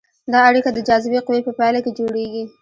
دا اړیکه د جاذبې قوې په پایله کې جوړیږي.